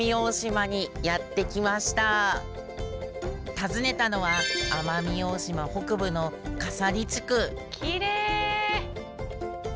訪ねたのは奄美大島北部のきれい。